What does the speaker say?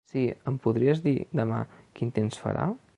Si, em podries dir demà quin temps farà?